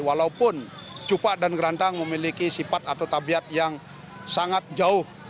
walaupun cupak dan gerantang memiliki sifat atau tabiat yang sangat jauh